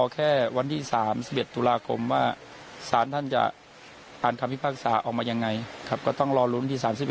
ครสท่านท่านจะอ่านคำพิพากษาออกมายังไงครับก็ต้องรอรุ้นที่๓๑